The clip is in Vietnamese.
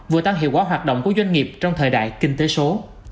vừa tăng hiệu quả hoạt động của doanh nghiệp trong thời đại kinh tế số